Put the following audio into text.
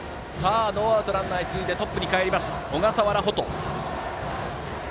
ノーアウトランナー、一塁でトップにかえり小笠原蛍。